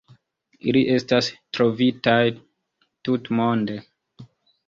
Ili estas trovitaj tutmonde.